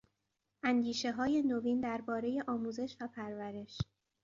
اندیشههای نوین دربارهی آموزش و پرورش